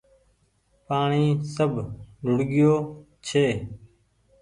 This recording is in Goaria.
پآڻيٚ سب ڌوڙگيو ڇي